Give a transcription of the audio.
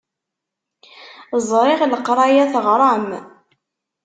Ẓriɣ leqṛaya teɣṛam.